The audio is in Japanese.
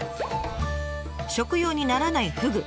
食用にならないフグ。